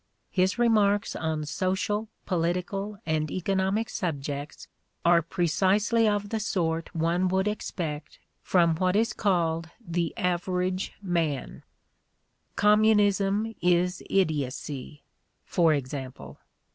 His re marks on social, political and economic subjects are precisely of the sort one would expect from what is called the average man: "Communism is idiocy," for example.